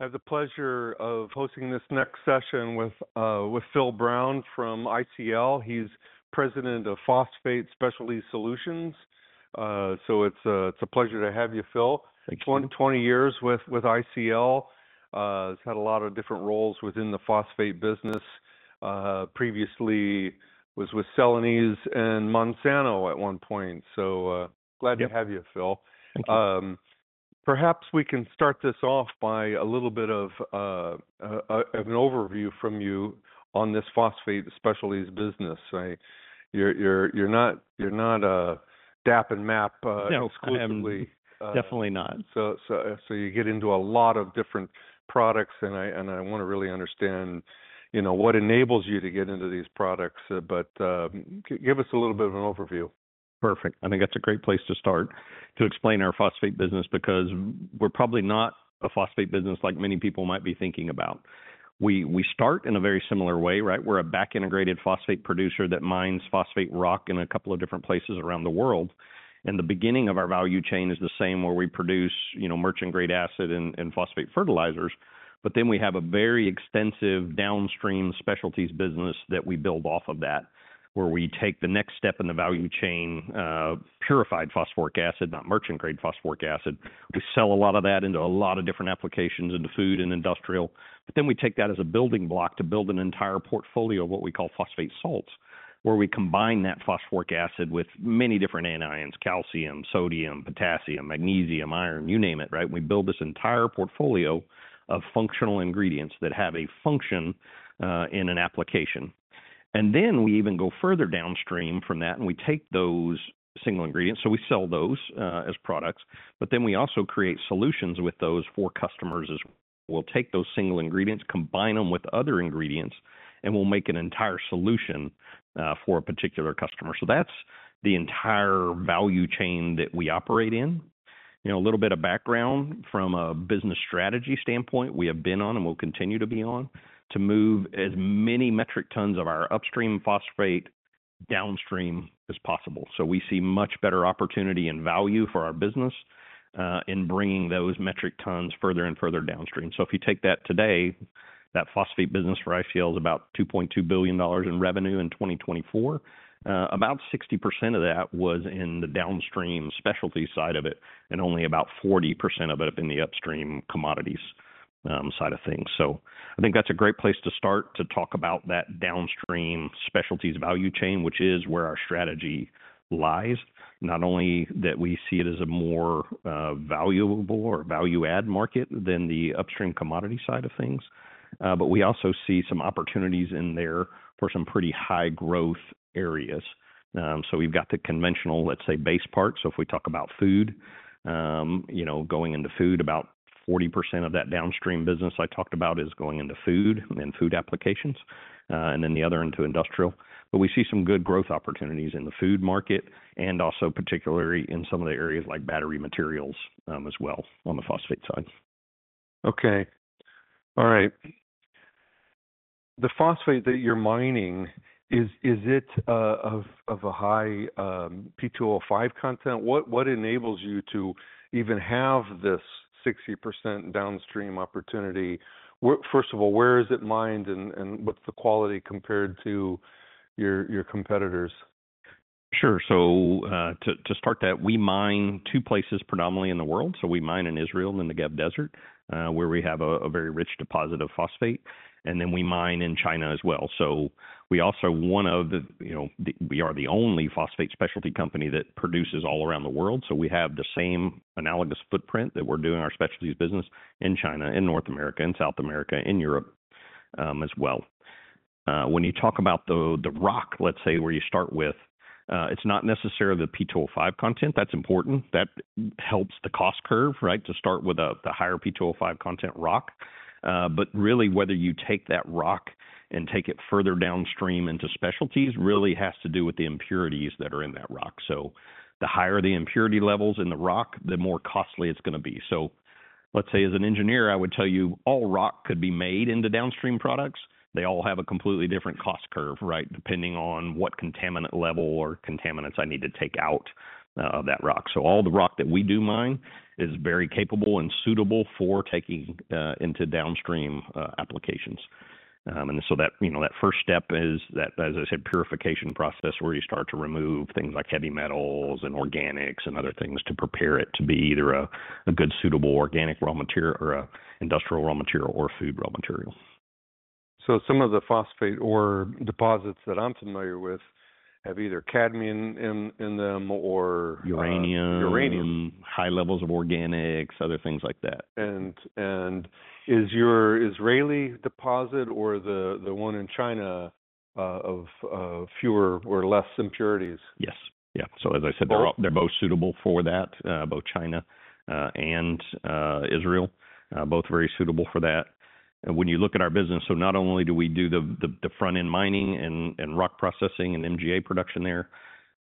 I have the pleasure of hosting this next session with Phil Brown from ICL. He's President of Phosphate Specialties Solutions. So it's a pleasure to have you, Phil. Thank you. Twenty years with ICL has had a lot of different roles within the phosphate business. Previously was with Celanese and Monsanto at one point. So, glad to have you, Phil. Thank you. Perhaps we can start this off by a little bit of an overview from you on this phosphate specialties business. You're not DAP and MAP exclusively. Definitely, definitely not. So, you get into a lot of different products, and I wanna really understand, you know, what enables you to get into these products. But, give us a little bit of an overview. Perfect. I think that's a great place to start to explain our phosphate business because we're probably not a phosphate business like many people might be thinking about. We start in a very similar way, right? We're a back-integrated phosphate producer that mines phosphate rock in a couple of different places around the world. And the beginning of our value chain is the same where we produce, you know, merchant-grade acid and phosphate fertilizers. But then we have a very extensive downstream specialties business that we build off of that, where we take the next step in the value chain, purified phosphoric acid, not merchant-grade phosphoric acid. We sell a lot of that into a lot of different applications into food and industrial. But then we take that as a building block to build an entire portfolio of what we call phosphate salts, where we combine that phosphoric acid with many different anions: calcium, sodium, potassium, magnesium, iron, you name it, right? We build this entire portfolio of functional ingredients that have a function in an application. And then we even go further downstream from that, and we take those single ingredients. So we sell those as products, but then we also create solutions with those for customers as well. We'll take those single ingredients, combine them with other ingredients, and we'll make an entire solution for a particular customer. So that's the entire value chain that we operate in. You know, a little bit of background from a business strategy standpoint we have been on and will continue to be on to move as many metric tons of our upstream phosphate downstream as possible. So we see much better opportunity and value for our business, in bringing those metric tons further and further downstream. So if you take that today, that phosphate business for ICL is about $2.2 billion in revenue in 2024. About 60% of that was in the downstream specialty side of it, and only about 40% of it in the upstream commodities, side of things. So I think that's a great place to start to talk about that downstream specialties value chain, which is where our strategy lies. Not only that we see it as a more valuable or value-add market than the upstream commodity side of things, but we also see some opportunities in there for some pretty high growth areas, so we've got the conventional, let's say, base part, so if we talk about food, you know, going into food, about 40% of that downstream business I talked about is going into food and food applications, and then the other into industrial, but we see some good growth opportunities in the food market and also particularly in some of the areas like battery materials, as well on the phosphate side. Okay. All right. The phosphate that you're mining, is it of a high P2O5 content? What enables you to even have this 60% downstream opportunity? What, first of all, where is it mined and what's the quality compared to your competitors? Sure. So, to start that, we mine two places predominantly in the world. So we mine in Israel and in the Negev Desert, where we have a very rich deposit of phosphate. And then we mine in China as well. So we also, you know, we are the only phosphate specialty company that produces all around the world. So we have the same analogous footprint that we're doing our specialties business in China, in North America, in South America, in Europe, as well. When you talk about the rock, let's say, where you start with, it's not necessarily the P2O5 content. That's important. That helps the cost curve, right, to start with the higher P2O5 content rock. But really whether you take that rock and take it further downstream into specialties really has to do with the impurities that are in that rock. So the higher the impurity levels in the rock, the more costly it's gonna be. So let's say as an engineer, I would tell you all rock could be made into downstream products. They all have a completely different cost curve, right, depending on what contaminant level or contaminants I need to take out of that rock. So all the rock that we do mine is very capable and suitable for taking into downstream applications. And so that, you know, that first step is that, as I said, purification process where you start to remove things like heavy metals and organics and other things to prepare it to be either a good suitable organic raw material or a industrial raw material or food raw material. Some of the phosphate ore deposits that I'm familiar with have either cadmium in them or. Uranium. Uranium. High levels of organics, other things like that. Is your Israeli deposit or the one in China of fewer or less impurities? Yes. Yeah. So as I said, they're both suitable for that, both China and Israel, both very suitable for that. When you look at our business, so not only do we do the front-end mining and rock processing and MGA production there,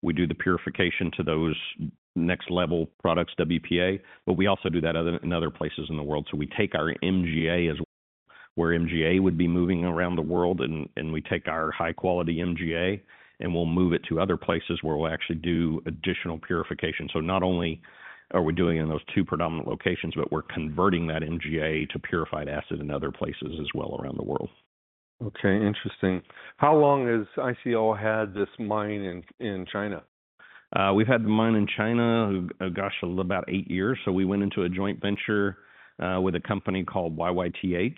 we do the purification to those next level products, WPA, but we also do that in other places in the world. So we take our MGA as where MGA would be moving around the world, and we take our high-quality MGA and we'll move it to other places where we'll actually do additional purification. So not only are we doing it in those two predominant locations, but we're converting that MGA to purified acid in other places as well around the world. Okay. Interesting. How long has ICL had this mine in China? We've had the mine in China, gosh, a little about eight years. So we went into a joint venture with a company called YYTH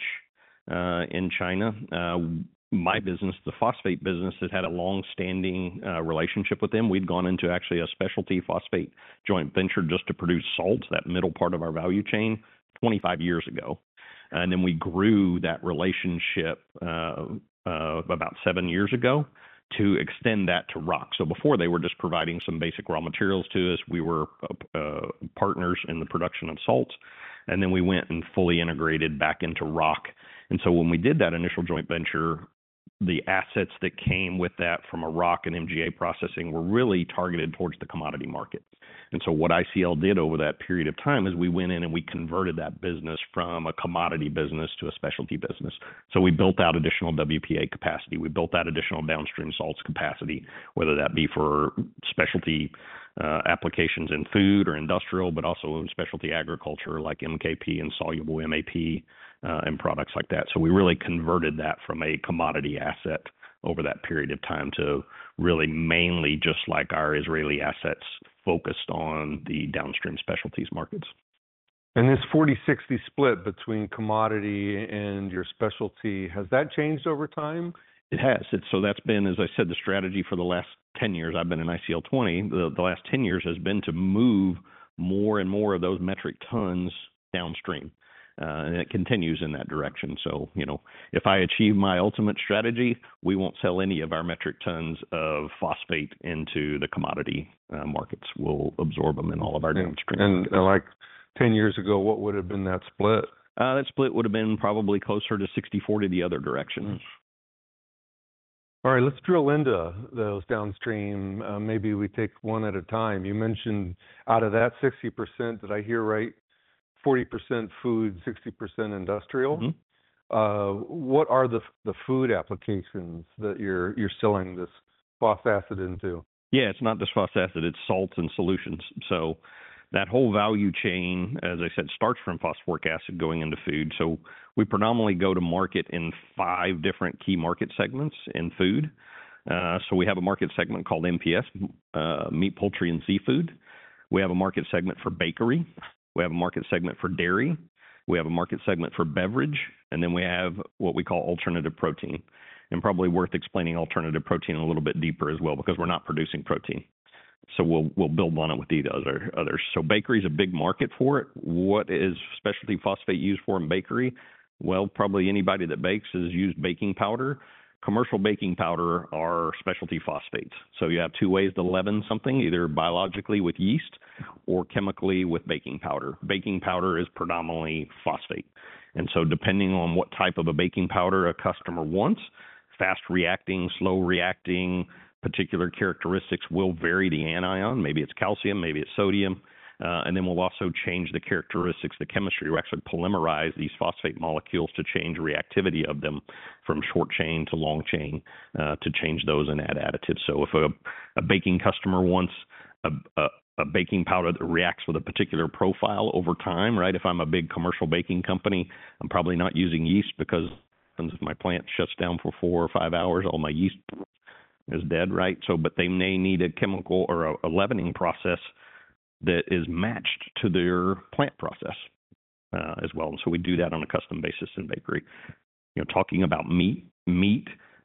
in China. My business, the phosphate business, has had a longstanding relationship with them. We'd gone into actually a specialty phosphate joint venture just to produce salt, that middle part of our value chain, 25 years ago. And then we grew that relationship about seven years ago to extend that to rock. So before they were just providing some basic raw materials to us, we were partners in the production of salts. And then we went and fully integrated back into rock. And so when we did that initial joint venture, the assets that came with that from a rock and MGA processing were really targeted towards the commodity market. And so what ICL did over that period of time is we went in and we converted that business from a commodity business to a specialty business. So we built out additional WPA capacity. We built out additional downstream salts capacity, whether that be for specialty applications in food or industrial, but also in specialty agriculture like MKP and soluble MAP, and products like that. So we really converted that from a commodity asset over that period of time to really mainly just like our Israeli assets focused on the downstream specialties markets. This 40/60 split between commodity and your specialty, has that changed over time? It has. It's so that's been, as I said, the strategy for the last 10 years. I've been in ICL 20. The last 10 years has been to move more and more of those metric tons downstream, and it continues in that direction. So, you know, if I achieve my ultimate strategy, we won't sell any of our metric tons of phosphate into the commodity markets. We'll absorb 'em in all of our downstream. Like 10 years ago, what would've been that split? That split would've been probably closer to 60/40 the other direction. All right. Let's drill into those downstream. Maybe we take one at a time. You mentioned out of that 60%, did I hear right? 40% food, 60% industrial. Mm-hmm. What are the food applications that you're selling this phosphate into? Yeah, it's not just phosphate. It's salts and solutions. So that whole value chain, as I said, starts from phosphoric acid going into food. So we predominantly go to market in five different key market segments in food. So we have a market segment called MPS, meat, poultry, and seafood. We have a market segment for bakery. We have a market segment for dairy. We have a market segment for beverage. And then we have what we call alternative protein. And probably worth explaining alternative protein a little bit deeper as well because we're not producing protein. So we'll build on it with the other, others. So bakery's a big market for it. What is specialty phosphate used for in bakery? Well, probably anybody that bakes has used baking powder. Commercial baking powder are specialty phosphates. So you have two ways to leaven something, either biologically with yeast or chemically with baking powder. Baking powder is predominantly phosphate, and so depending on what type of a baking powder a customer wants, fast reacting, slow reacting, particular characteristics will vary the anion. Maybe it's calcium, maybe it's sodium, and then we'll also change the characteristics, the chemistry. We actually polymerize these phosphate molecules to change reactivity of them from short chain to long chain, to change those and add additives, so if a baking customer wants a baking powder that reacts with a particular profile over time, right? If I'm a big commercial baking company, I'm probably not using yeast because my plant shuts down for four or five hours. All my yeast is dead, right? But they may need a chemical or a leavening process that is matched to their plant process, as well. And so we do that on a custom basis in bakery. You know, talking about meat,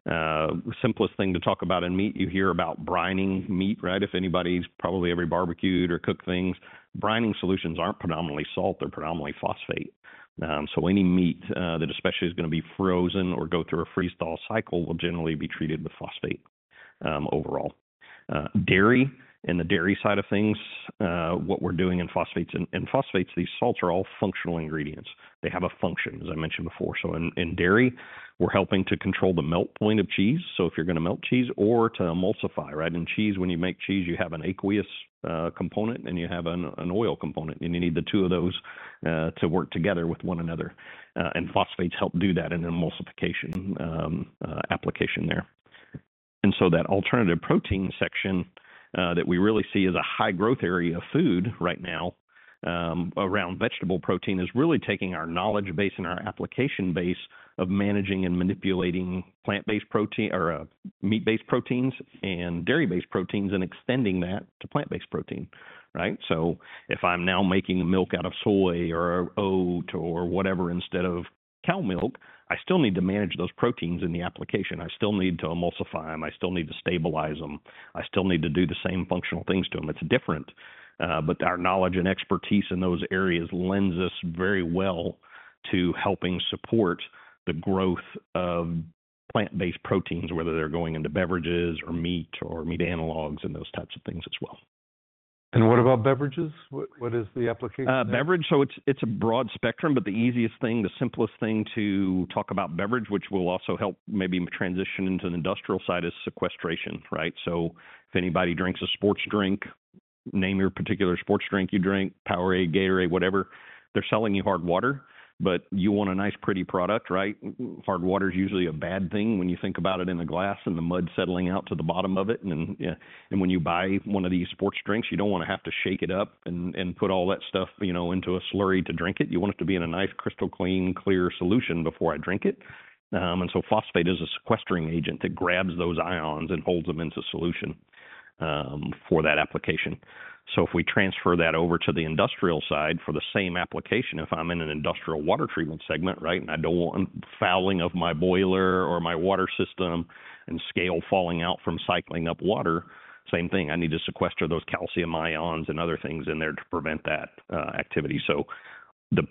the simplest thing to talk about in meat, you hear about brining meat, right? If anybody's probably ever barbecued or cooked things, brining solutions aren't predominantly salt. They're predominantly phosphate. So any meat that especially is gonna be frozen or go through a freeze-thaw cycle will generally be treated with phosphate, overall. Dairy and the dairy side of things, what we're doing in phosphates and phosphates, these salts are all functional ingredients. They have a function, as I mentioned before. So in dairy, we're helping to control the melt point of cheese. So if you're gonna melt cheese or to emulsify, right? In cheese, when you make cheese, you have an aqueous component and you have an oil component. And you need the two of those to work together with one another. And phosphates help do that in an emulsification application there. And so that alternative protein section, that we really see as a high growth area of food right now, around vegetable protein is really taking our knowledge base and our application base of managing and manipulating plant-based protein or meat-based proteins and dairy-based proteins and extending that to plant-based protein, right? So if I'm now making milk out of soy or oat or whatever instead of cow milk, I still need to manage those proteins in the application. I still need to emulsify 'em. I still need to stabilize 'em. I still need to do the same functional things to 'em. It's different, but our knowledge and expertise in those areas lends us very well to helping support the growth of plant-based proteins, whether they're going into beverages or meat or meat analogs and those types of things as well. What about beverages? What, what is the application? Beverage. So it's a broad spectrum, but the easiest thing, the simplest thing to talk about beverage, which will also help maybe transition into the industrial side is sequestration, right? So if anybody drinks a sports drink, name your particular sports drink you drink, Powerade, Gatorade, whatever, they're selling you hard water, but you want a nice pretty product, right? Hard water's usually a bad thing when you think about it in a glass and the mud settling out to the bottom of it. And then, yeah, and when you buy one of these sports drinks, you don't wanna have to shake it up and put all that stuff, you know, into a slurry to drink it. You want it to be in a nice crystal clean, clear solution before I drink it. And so phosphate is a sequestering agent that grabs those ions and holds 'em into solution, for that application. So if we transfer that over to the industrial side for the same application, if I'm in an industrial water treatment segment, right, and I don't want fouling of my boiler or my water system and scale falling out from cycling up water, same thing. I need to sequester those calcium ions and other things in there to prevent that activity. So the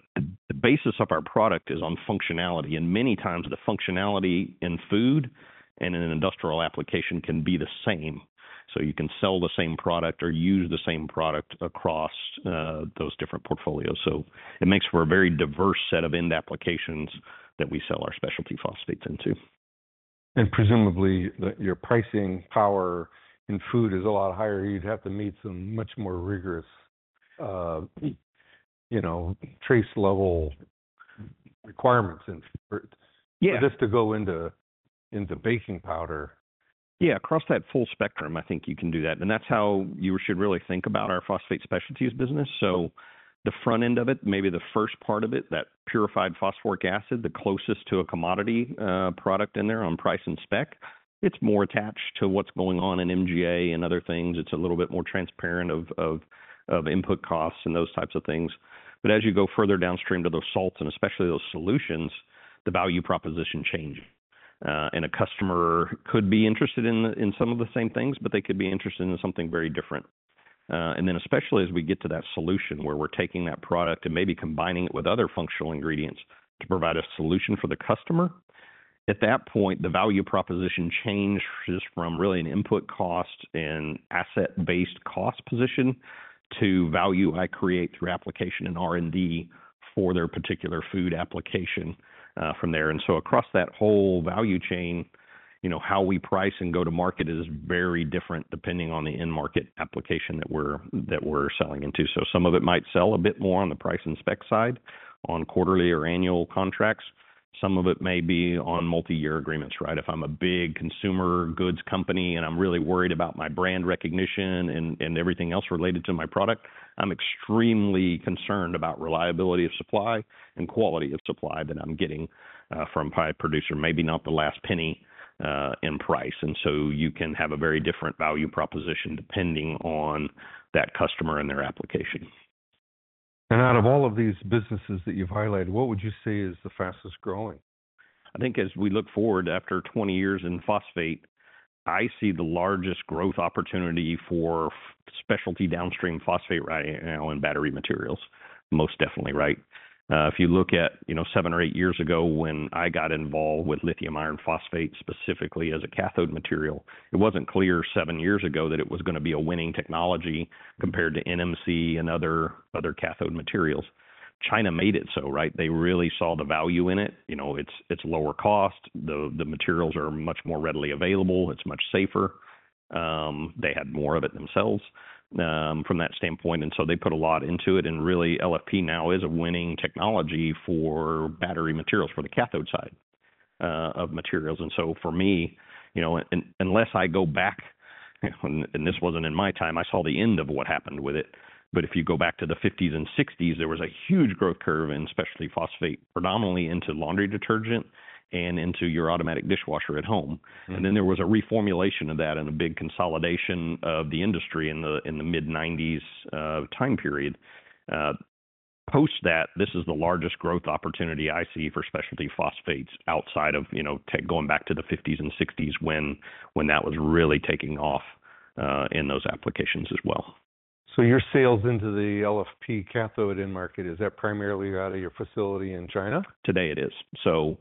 basis of our product is on functionality. And many times the functionality in food and in an industrial application can be the same. So you can sell the same product or use the same product across those different portfolios. So it makes for a very diverse set of end applications that we sell our specialty phosphates into. Presumably that your pricing power in food is a lot higher. You'd have to meet some much more rigorous, you know, trace level requirements for this to go into baking powder. Yeah. Across that full spectrum, I think you can do that. And that's how you should really think about our phosphate specialties business. So the front end of it, maybe the first part of it, that purified phosphoric acid, the closest to a commodity, product in there on price and spec, it's more attached to what's going on in MGA and other things. It's a little bit more transparent of input costs and those types of things. But as you go further downstream to those salts and especially those solutions, the value proposition changes. And a customer could be interested in some of the same things, but they could be interested in something very different. And then especially as we get to that solution where we're taking that product and maybe combining it with other functional ingredients to provide a solution for the customer, at that point, the value proposition changes from really an input cost and asset-based cost position to value I create through application and R&D for their particular food application, from there. And so across that whole value chain, you know, how we price and go to market is very different depending on the end market application that we're selling into. So some of it might sell a bit more on the price and spec side on quarterly or annual contracts. Some of it may be on multi-year agreements, right? If I'm a big consumer goods company and I'm really worried about my brand recognition and everything else related to my product, I'm extremely concerned about reliability of supply and quality of supply that I'm getting from my producer, maybe not the last penny in price, and so you can have a very different value proposition depending on that customer and their application. Out of all of these businesses that you've highlighted, what would you say is the fastest growing? I think as we look forward after 20 years in phosphate, I see the largest growth opportunity for specialty downstream phosphate right now in battery materials, most definitely, right? If you look at, you know, seven or eight years ago when I got involved with lithium iron phosphate specifically as a cathode material, it wasn't clear seven years ago that it was gonna be a winning technology compared to NMC and other, other cathode materials. China made it so, right? They really saw the value in it. You know, it's lower cost. The materials are much more readily available. It's much safer. They had more of it themselves, from that standpoint, and so they put a lot into it, and really LFP now is a winning technology for battery materials for the cathode side, of materials. And so for me, you know, unless I go back and this wasn't in my time, I saw the end of what happened with it. But if you go back to the fifties and sixties, there was a huge growth curve in specialty phosphate, predominantly into laundry detergent and into your automatic dishwasher at home. And then there was a reformulation of that and a big consolidation of the industry in the mid-nineties time period. Post that, this is the largest growth opportunity I see for specialty phosphates outside of, you know, the going back to the fifties and sixties when that was really taking off, in those applications as well. So your sales into the LFP cathode in market, is that primarily outta your facility in China? Today it is. So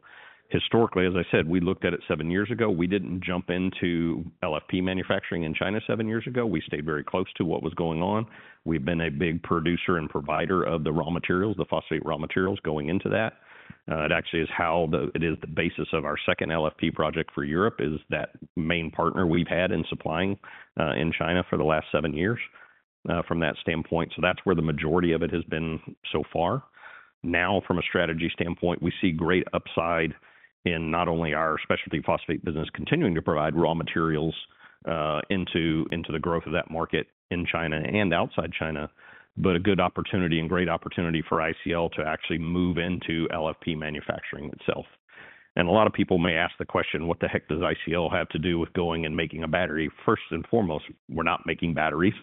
historically, as I said, we looked at it seven years ago. We didn't jump into LFP manufacturing in China seven years ago. We stayed very close to what was going on. We've been a big producer and provider of the raw materials, the phosphate raw materials going into that. It actually is how the, it is the basis of our second LFP project for Europe, is that main partner we've had in supplying, in China for the last seven years, from that standpoint. So that's where the majority of it has been so far. Now, from a strategy standpoint, we see great upside in not only our specialty phosphate business continuing to provide raw materials into the growth of that market in China and outside China, but a good opportunity and great opportunity for ICL to actually move into LFP manufacturing itself. And a lot of people may ask the question, what the heck does ICL have to do with going and making a battery? First and foremost, we're not making batteries.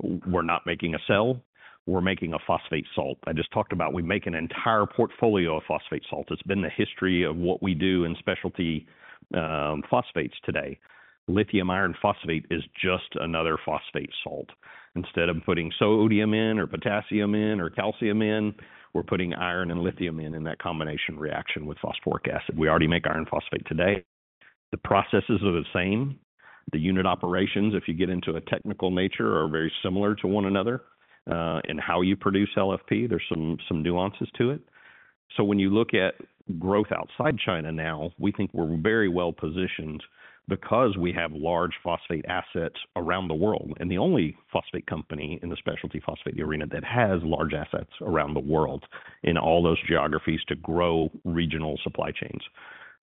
We're not making a cell. We're making a phosphate salt. I just talked about we make an entire portfolio of phosphate salt. It's been the history of what we do in specialty phosphates today. Lithium iron phosphate is just another phosphate salt. Instead of putting sodium in or potassium in or calcium in, we're putting iron and lithium in, in that combination reaction with phosphoric acid. We already make iron phosphate today. The processes are the same. The unit operations, if you get into a technical nature, are very similar to one another, in how you produce LFP. There's some nuances to it. So when you look at growth outside China now, we think we're very well positioned because we have large phosphate assets around the world. And the only phosphate company in the specialty phosphate arena that has large assets around the world in all those geographies to grow regional supply chains.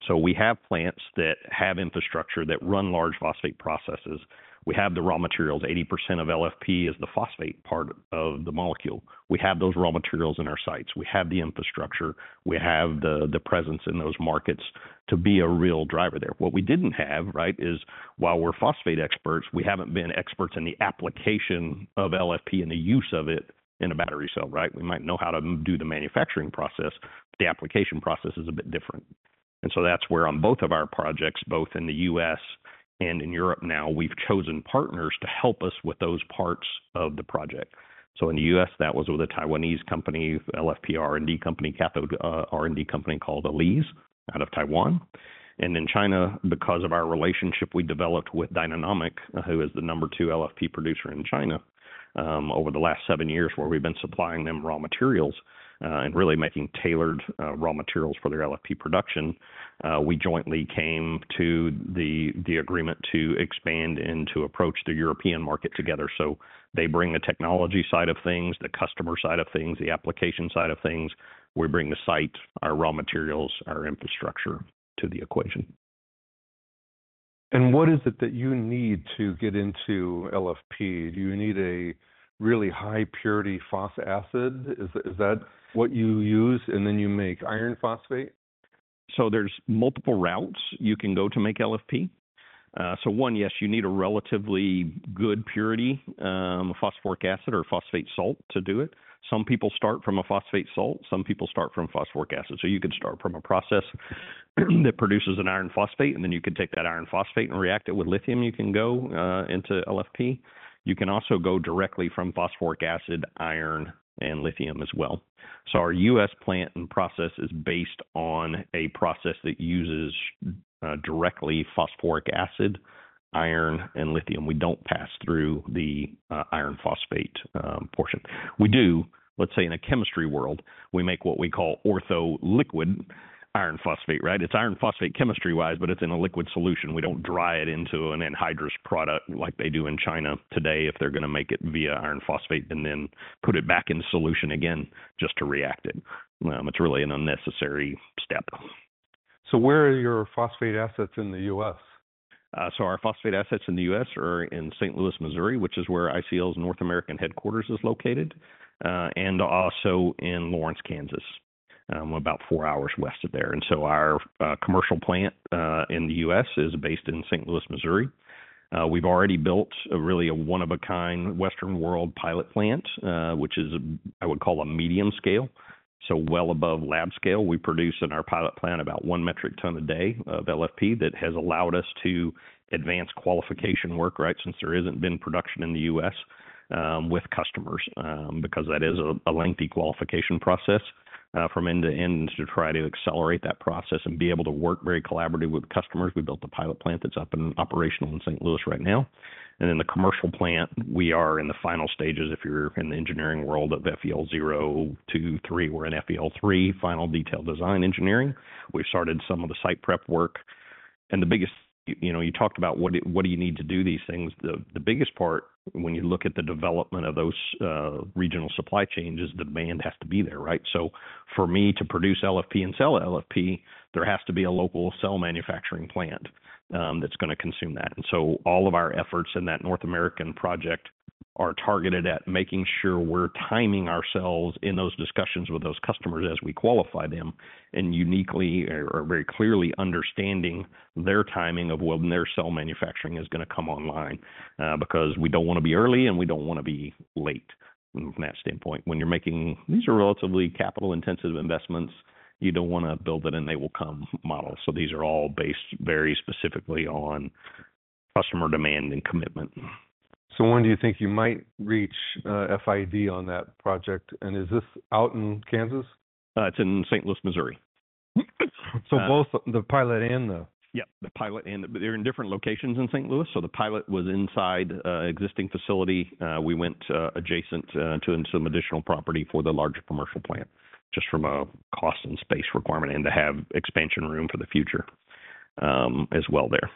So we have plants that have infrastructure that run large phosphate processes. We have the raw materials. 80% of LFP is the phosphate part of the molecule. We have those raw materials in our sites. We have the infrastructure. We have the presence in those markets to be a real driver there. What we didn't have, right, is while we're phosphate experts, we haven't been experts in the application of LFP and the use of it in a battery cell, right? We might know how to do the manufacturing process, but the application process is a bit different. And so that's where on both of our projects, both in the U.S. and in Europe now, we've chosen partners to help us with those parts of the project. So in the U.S., that was with a Taiwanese company, LFP R&D company, cathode, R&D company called Aleees out of Taiwan. And in China, because of our relationship, we developed with Dynanonic, who is the number two LFP producer in China, over the last seven years where we've been supplying them raw materials, and really making tailored, raw materials for their LFP production. We jointly came to the agreement to expand and to approach the European market together. So they bring the technology side of things, the customer side of things, the application side of things. We bring the site, our raw materials, our infrastructure to the equation. What is it that you need to get into LFP? Do you need a really high purity phosphoric acid? Is that what you use and then you make iron phosphate? So there's multiple routes you can go to make LFP. So one, yes, you need a relatively good purity phosphoric acid or phosphate salt to do it. Some people start from a phosphate salt. Some people start from phosphoric acid. So you could start from a process that produces an iron phosphate, and then you could take that iron phosphate and react it with lithium. You can go into LFP. You can also go directly from phosphoric acid, iron, and lithium as well. So our US plant and process is based on a process that uses directly phosphoric acid, iron, and lithium. We don't pass through the iron phosphate portion. We do, let's say in a chemistry world, we make what we call ortho liquid iron phosphate, right? It's iron phosphate chemistry wise, but it's in a liquid solution. We don't dry it into an anhydrous product like they do in China today if they're gonna make it via iron phosphate and then put it back in solution again just to react it. It's really an unnecessary step. Where are your phosphate assets in the U.S.? So our phosphate assets in the U.S. are in St. Louis, Missouri, which is where ICL's North American headquarters is located, and also in Lawrence, Kansas, about four hours west of there, and so our commercial plant in the U.S. is based in St. Louis, Missouri. We've already built a really a one-of-a-kind Western World pilot plant, which is, I would call a medium scale, so well above lab scale, we produce in our pilot plant about one metric ton a day of LFP that has allowed us to advance qualification work, right? Since there isn't been production in the U.S., with customers, because that is a lengthy qualification process, from end to end to try to accelerate that process and be able to work very collaboratively with customers. We built a pilot plant that's up and operational in St. Louis right now. And then the commercial plant, we are in the final stages. If you're in the engineering world of FEL 3, we're in FEL 3 final detail design engineering. We've started some of the site prep work. And the biggest, you know, you talked about what do you need to do these things? The biggest part when you look at the development of those regional supply chains is the demand has to be there, right? So for me to produce LFP and sell LFP, there has to be a local cell manufacturing plant, that's gonna consume that. And so all of our efforts in that North American project are targeted at making sure we're timing ourselves in those discussions with those customers as we qualify them and uniquely or very clearly understanding their timing of when their cell manufacturing is gonna come online, because we don't wanna be early and we don't wanna be late from that standpoint. When you're making, these are relatively capital-intensive investments, you don't wanna build it and they will come model. So these are all based very specifically on customer demand and commitment. So when do you think you might reach FID on that project? And is this out in Kansas? It's in St. Louis, Missouri. So both the pilot and the. Yep, the pilot and the, but they're in different locations in St. Louis. The pilot was inside existing facility. We went adjacent to some additional property for the larger commercial plant just from a cost and space requirement and to have expansion room for the future, as well there.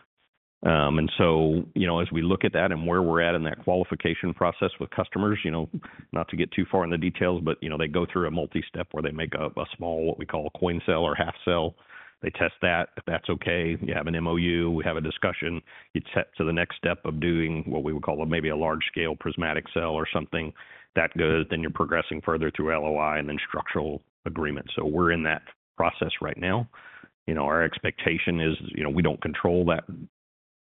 You know, as we look at that and where we're at in that qualification process with customers, you know, not to get too far in the details, but, you know, they go through a multi-step where they make a small, what we call a coin cell or half cell. They test that. If that's okay, you have an MOU, we have a discussion, you set to the next step of doing what we would call maybe a large scale prismatic cell or something that good. Then you're progressing further through LOI and then structural agreement. We're in that process right now. You know, our expectation is, you know, we don't control that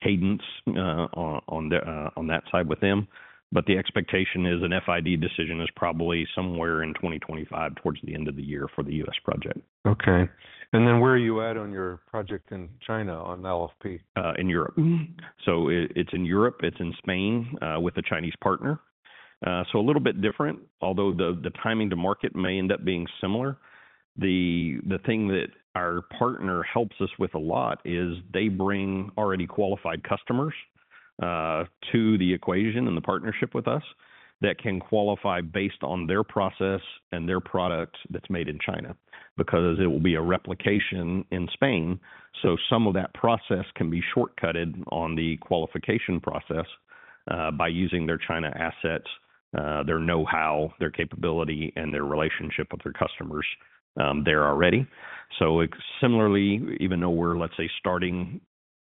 cadence, on that side with them, but the expectation is an FID decision is probably somewhere in 2025 towards the end of the year for the US project. Okay. And then where are you at on your project in China on LFP? in Europe. So it, it's in Europe, it's in Spain, with a Chinese partner. So a little bit different, although the timing to market may end up being similar. The thing that our partner helps us with a lot is they bring already qualified customers to the equation and the partnership with us that can qualify based on their process and their product that's made in China because it will be a replication in Spain. So some of that process can be shortcutted on the qualification process, by using their China assets, their know-how, their capability, and their relationship with their customers there already. So, similarly, even though we're, let's say, starting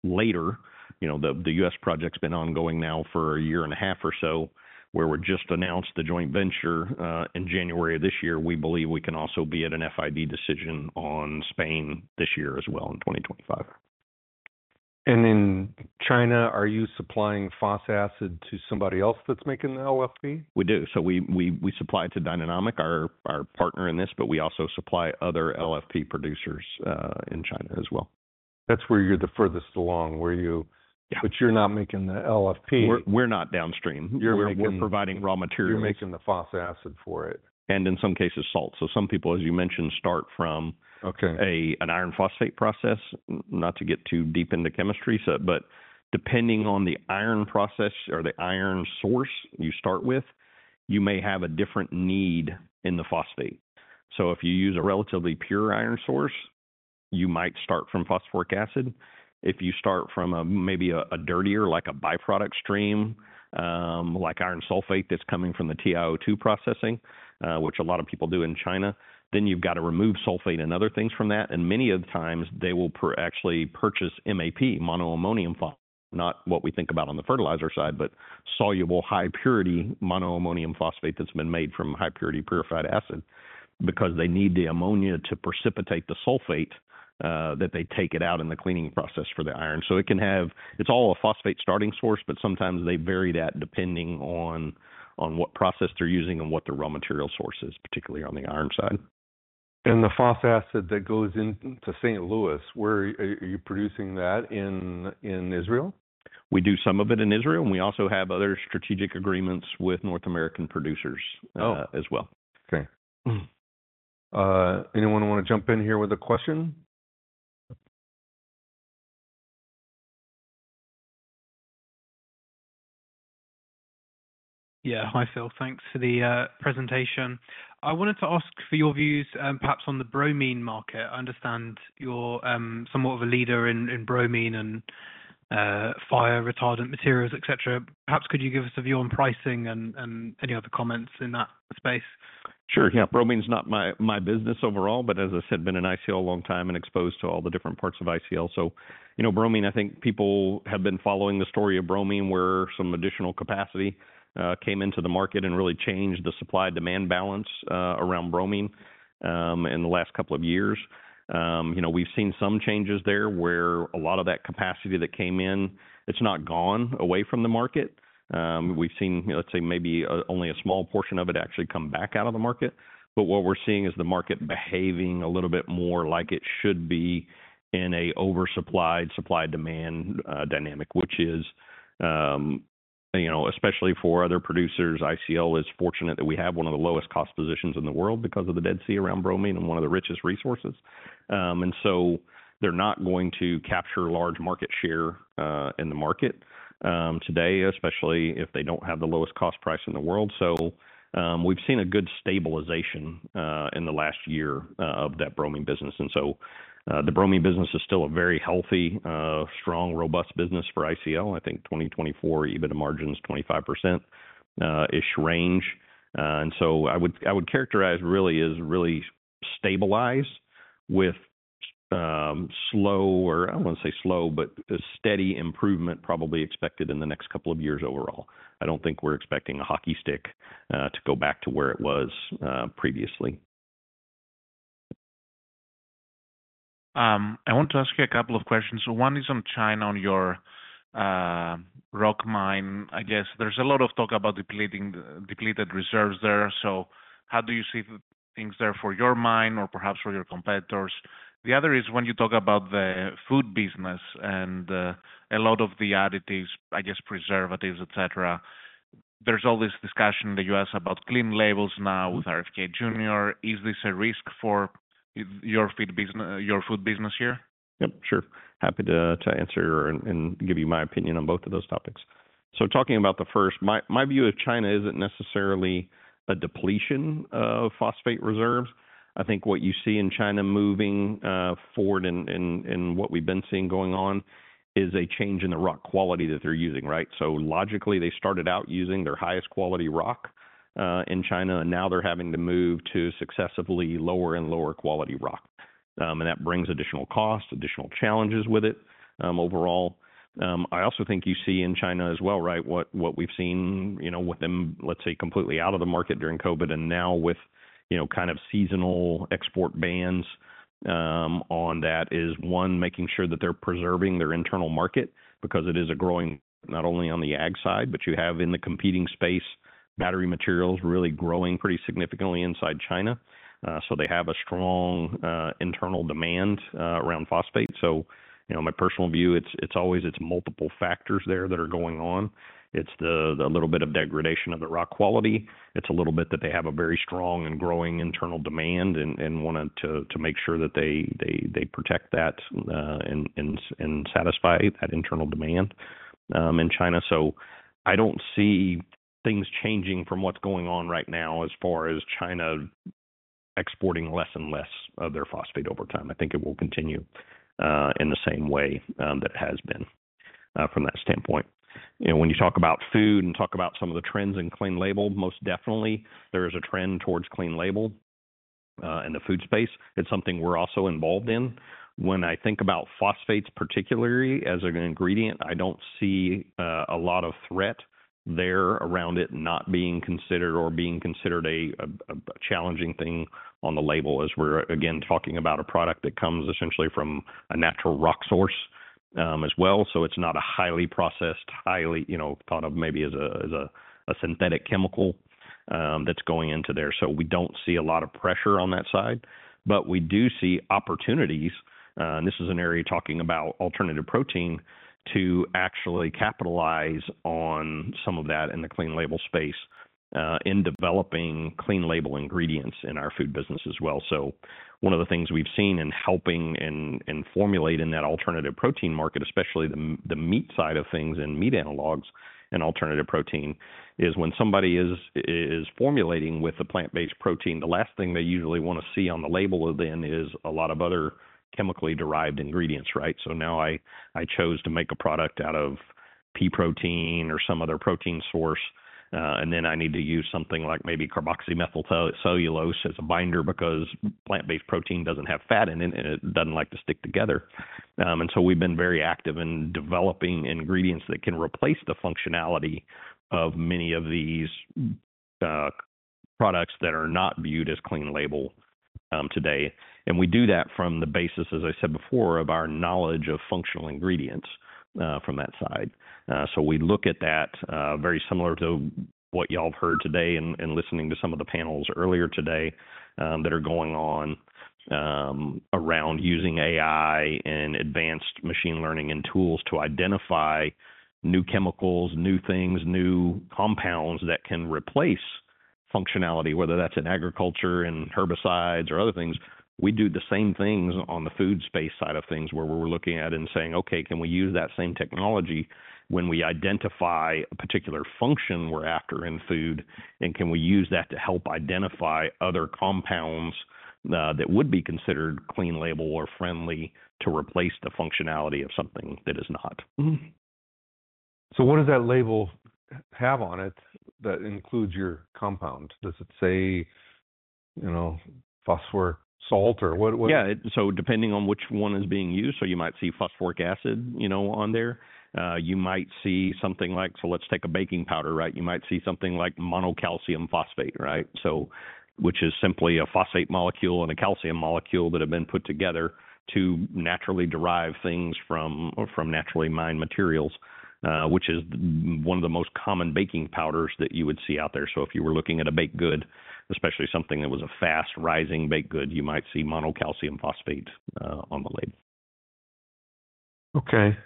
later, you know, the US project's been ongoing now for a year and a half or so where we're just announced the joint venture, in January of this year, we believe we can also be at an FID decision on Spain this year as well in 2025. In China, are you supplying phosphoric acid to somebody else that's making the LFP? We do. So we supply to Dynanonic, our partner in this, but we also supply other LFP producers in China as well. That's where you're the furthest along, where you. Yeah. But you're not making the LFP. We're not downstream. You're making, we're providing raw materials. You're making the phosphoric acid for it. And in some cases, salt. So some people, as you mentioned, start from. Okay. An iron phosphate process, not to get too deep into chemistry. So, but depending on the iron process or the iron source you start with, you may have a different need in the phosphate. So if you use a relatively pure iron source, you might start from phosphoric acid. If you start from a dirtier, like a byproduct stream, like iron sulfate that's coming from the TiO2 processing, which a lot of people do in China, then you've gotta remove sulfate and other things from that. And many of the times they will actually purchase MAP monoammonium phosphate, not what we think about on the fertilizer side, but soluble high purity monoammonium phosphate that's been made from high purity purified acid because they need the ammonia to precipitate the sulfate, that they take it out in the cleaning process for the iron. So it can have. It's all a phosphate starting source, but sometimes they vary that depending on what process they're using and what the raw material source is, particularly on the iron side. The phosphoric acid that goes into St. Louis, where are you producing that in Israel? We do some of it in Israel, and we also have other strategic agreements with North American producers, as well. Okay. Anyone wanna jump in here with a question? Yeah, hi Phil, thanks for the presentation. I wanted to ask for your views, perhaps on the bromine market. I understand you're somewhat of a leader in bromine and fire retardant materials, et cetera. Perhaps could you give us a view on pricing and any other comments in that space? Sure. Yeah. Bromine's not my business overall, but as I said, been in ICL a long time and exposed to all the different parts of ICL. So, you know, bromine, I think people have been following the story of bromine where some additional capacity came into the market and really changed the supply demand balance around bromine in the last couple of years. You know, we've seen some changes there where a lot of that capacity that came in. It's not gone away from the market. We've seen, let's say maybe only a small portion of it actually come back out of the market. But what we're seeing is the market behaving a little bit more like it should be in an oversupplied supply demand dynamic, which is, you know, especially for other producers. ICL is fortunate that we have one of the lowest cost positions in the world because of the Dead Sea around bromine and one of the richest resources, and so they're not going to capture large market share in the market today, especially if they don't have the lowest cost price in the world, so we've seen a good stabilization in the last year of that bromine business, and so the bromine business is still a very healthy, strong, robust business for ICL. I think 2024 EBITDA margin's 25% ish range, and so I would, I would characterize really as really stabilized with slow or I don't wanna say slow, but a steady improvement probably expected in the next couple of years overall. I don't think we're expecting a hockey stick to go back to where it was previously. I want to ask you a couple of questions. So one is on China, on your rock mine. I guess there's a lot of talk about depleting, depleted reserves there. So how do you see things there for your mine or perhaps for your competitors? The other is when you talk about the food business and a lot of the additives, I guess, preservatives, et cetera, there's all this discussion in the U.S. about clean labels now with RFK Jr. Is this a risk for your feed business, your food business here? Yep, sure. Happy to answer and give you my opinion on both of those topics. So talking about the first, my view of China isn't necessarily a depletion of phosphate reserves. I think what you see in China moving forward in what we've been seeing going on is a change in the rock quality that they're using, right? So logically they started out using their highest quality rock in China, and now they're having to move to successively lower and lower quality rock. That brings additional costs, additional challenges with it, overall. I also think you see in China as well, right? What we've seen, you know, with them, let's say completely out of the market during COVID and now with, you know, kind of seasonal export bans on that is one, making sure that they're preserving their internal market because it is a growing not only on the ag side, but you have in the competing space battery materials really growing pretty significantly inside China. So they have a strong internal demand around phosphate. So, you know, my personal view, it's always multiple factors there that are going on. It's the little bit of degradation of the rock quality. It's a little bit that they have a very strong and growing internal demand and want to make sure that they protect that and satisfy that internal demand in China. So I don't see things changing from what's going on right now as far as China exporting less and less of their phosphate over time. I think it will continue, in the same way, that it has been, from that standpoint. You know, when you talk about food and talk about some of the trends in clean label, most definitely there is a trend towards clean label, in the food space. It's something we're also involved in. When I think about phosphates particularly as an ingredient, I don't see a lot of threat there around it not being considered or being considered a challenging thing on the label as we're again talking about a product that comes essentially from a natural rock source, as well. So it's not a highly processed, highly, you know, thought of maybe as a synthetic chemical, that's going into there. So we don't see a lot of pressure on that side, but we do see opportunities. And this is an area talking about alternative protein to actually capitalize on some of that in the clean label space, in developing clean label ingredients in our food business as well. So one of the things we've seen in helping and formulating that alternative protein market, especially the meat side of things and meat analogs and alternative protein is when somebody is formulating with a plant-based protein, the last thing they usually wanna see on the label then is a lot of other chemically derived ingredients, right? So now I chose to make a product out of pea protein or some other protein source, and then I need to use something like maybe carboxymethyl cellulose as a binder because plant-based protein doesn't have fat in it and it doesn't like to stick together. And so we've been very active in developing ingredients that can replace the functionality of many of these products that are not viewed as clean label today. And we do that from the basis, as I said before, of our knowledge of functional ingredients from that side. So we look at that, very similar to what y'all have heard today and listening to some of the panels earlier today that are going on around using AI and advanced machine learning and tools to identify new chemicals, new things, new compounds that can replace functionality, whether that's in agriculture and herbicides or other things. We do the same things on the food space side of things where we're looking at and saying, okay, can we use that same technology when we identify a particular function we're after in food, and can we use that to help identify other compounds that would be considered clean label or friendly to replace the functionality of something that is not? Mm-hmm. So what does that label have on it that includes your compound? Does it say, you know, phosphoric salt or what? Yeah. So depending on which one is being used, so you might see phosphoric acid, you know, on there. You might see something like, so let's take a baking powder, right? You might see something like monocalcium phosphate, right? So, which is simply a phosphate molecule and a calcium molecule that have been put together to naturally derive things from naturally mined materials, which is one of the most common baking powders that you would see out there. So if you were looking at a baked good, especially something that was a fast rising baked good, you might see monocalcium phosphate on the label. Okay.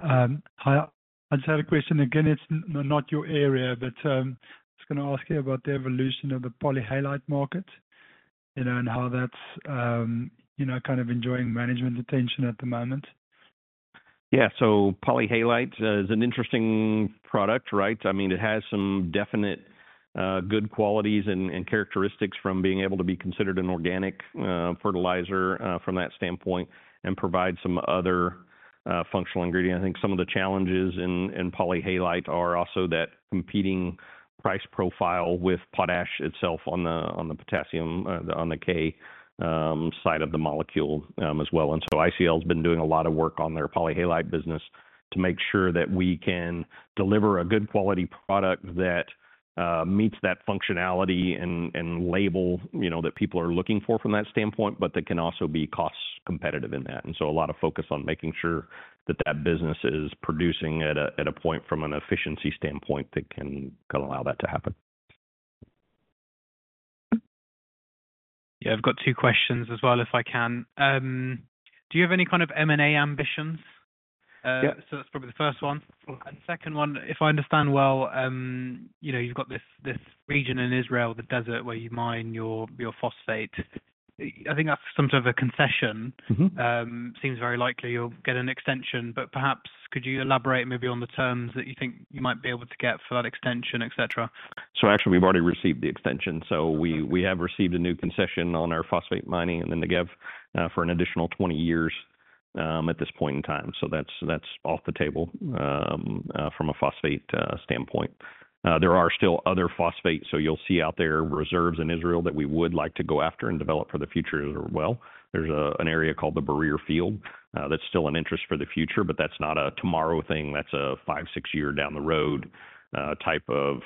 Hi, I just had a question again. It's not your area, but, I was gonna ask you about the evolution of the polyhalite market, you know, and how that's, you know, kind of enjoying management attention at the moment. Yeah. So polyhalite is an interesting product, right? I mean, it has some definite good qualities and characteristics from being able to be considered an organic fertilizer from that standpoint and provide some other functional ingredients. I think some of the challenges in polyhalite are also that competing price profile with potash itself on the potassium, the on the K side of the molecule, as well. And so ICL has been doing a lot of work on their polyhalite business to make sure that we can deliver a good quality product that meets that functionality and label, you know, that people are looking for from that standpoint, but that can also be cost competitive in that. And so a lot of focus on making sure that business is producing at a point from an efficiency standpoint that can allow that to happen. Yeah, I've got two questions as well, if I can. Do you have any kind of M&A ambitions, so that's probably the first one, and second one, if I understand well, you know, you've got this, this region in Israel, the desert where you mine your, your phosphate. I think that's some sort of a concession. Seems very likely you'll get an extension, but perhaps could you elaborate maybe on the terms that you think you might be able to get for that extension, et cetera? So actually we've already received the extension. So we have received a new concession on our phosphate mining and then the Negev for an additional 20 years at this point in time. So that's off the table from a phosphate standpoint. There are still other phosphates. So you'll see out there reserves in Israel that we would like to go after and develop for the future as well. There's an area called the Barir field that's still an interest for the future, but that's not a tomorrow thing. That's a five, six year down the road type of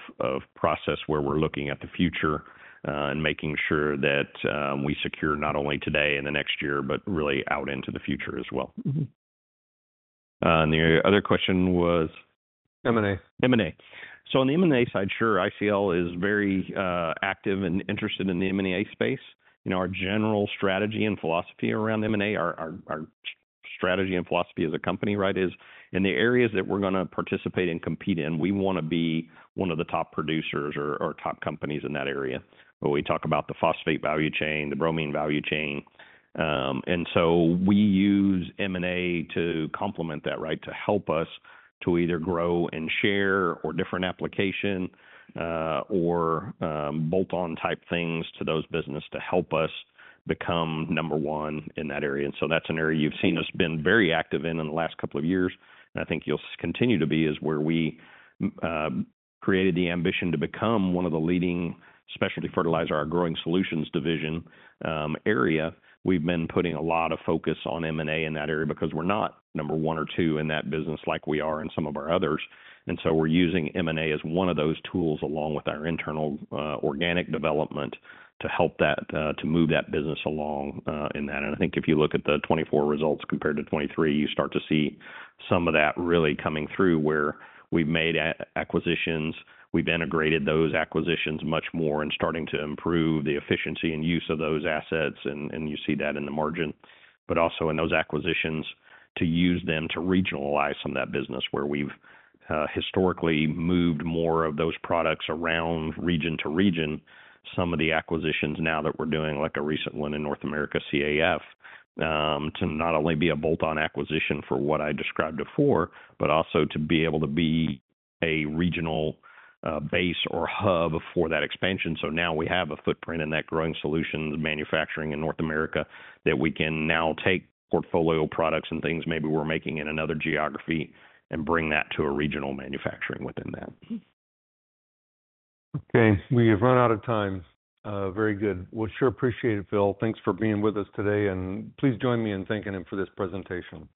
process where we're looking at the future and making sure that we secure not only today and the next year, but really out into the future as well. And the other question was. M&A. M&A. So on the M&A side, sure, ICL is very active and interested in the M&A space. You know, our general strategy and philosophy around M&A, our strategy and philosophy as a company, right, is in the areas that we're gonna participate and compete in, we wanna be one of the top producers or top companies in that area. But we talk about the phosphate value chain, the bromine value chain, and so we use M&A to complement that, right, to help us to either grow and share or different application, or bolt-on type things to those business to help us become number one in that area. And so that's an area you've seen us been very active in in the last couple of years. And I think you'll continue to see this is where we created the ambition to become one of the leading specialty fertilizers in our Growing Solutions division area. We've been putting a lot of focus on M&A in that area because we're not number one or two in that business like we are in some of our others. And so we're using M&A as one of those tools along with our internal organic development to help that, to move that business along in that. And I think if you look at the 2024 results compared to 2023, you start to see some of that really coming through where we've made acquisitions, we've integrated those acquisitions much more and starting to improve the efficiency and use of those assets. You see that in the margin, but also in those acquisitions to use them to regionalize some of that business where we've historically moved more of those products around region to region. Some of the acquisitions now that we're doing, like a recent one in North America, CAF, to not only be a bolt-on acquisition for what I described before, but also to be able to be a regional base or hub for that expansion. So now we have a footprint in that Growing Solutions manufacturing in North America that we can now take portfolio products and things maybe we're making in another geography and bring that to a regional manufacturing within that. Okay. We have run out of time. Very good. Well, sure. Appreciate it, Phil. Thanks for being with us today and please join me in thanking him for this presentation.